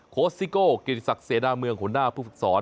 โคสต์ซิโก้กิริสักเซดาเมืองหัวหน้าผู้ฝึกสอน